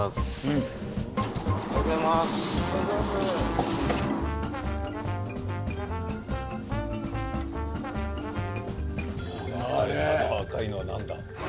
あの赤いのは何だ？